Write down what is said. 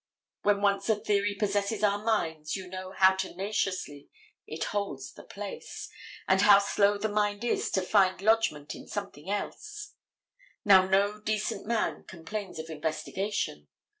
When once a theory possesses our minds you know how tenaciously it holds the place, and how slow the mind is to find lodgment in something else. Now, no decent man complains of investigation.